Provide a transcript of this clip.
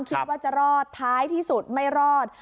คิดว่าจะรอดท้ายที่สุดไม่รอด